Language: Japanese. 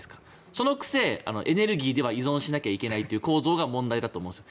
そのくせエネルギーは依存しなきゃいけないという構造がどうかと思うんです。